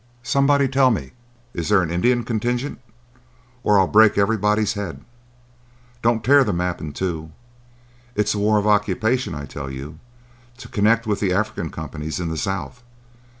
—Somebody tell me if there's an Indian contingent, or I'll break everybody's head.—Don't tear the map in two.—It's a war of occupation, I tell you, to connect with the African companies in the South.